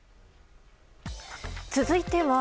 続いては。